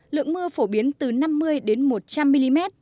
lượng mưa phổ biến từ năm mươi đến một trăm linh mm